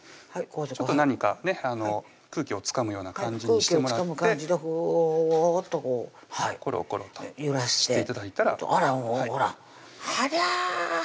ちょっと何か空気をつかむような感じにしてもらってふぉっとこうころころとして頂いたらあらほらっ